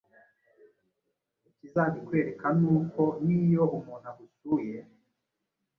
Ikizabikwereka ni uko niyo umuntu agusuye